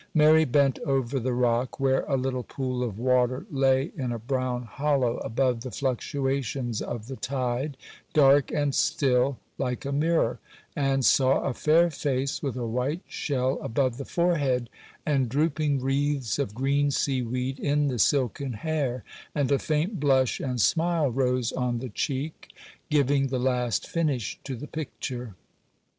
Mary bent over the rock where a little pool of water lay in a brown hollow above the fluctuations of the tide, dark and still, like a mirror,—and saw a fair face, with a white shell above the forehead, and drooping wreaths of green seaweed in the silken hair; and a faint blush and smile rose on the cheek, giving the last finish to the picture.